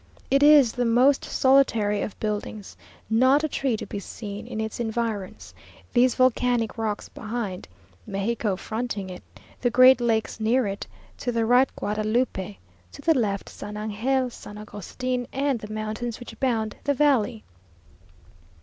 It is the most solitary of buildings; not a tree to be seen in its environs; these volcanic rocks behind Mexico fronting it the great lakes near it to the right Guadalupe to the left San Angel, San Agustin, and the mountains which bound the valley.